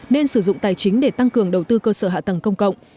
nên sử dụng tài chính để tăng cường đầu tư cơ sở hạ tầng công cộng